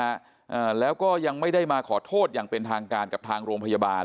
อ่าแล้วก็ยังไม่ได้มาขอโทษอย่างเป็นทางการกับทางโรงพยาบาล